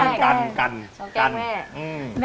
ชอบเกล้งแน่